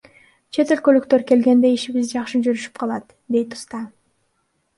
Чет өлкөлүктөр келгенде ишибиз жакшы жүрүшүп калат, — дейт уста.